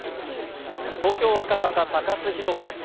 東京・赤坂サカス広場です。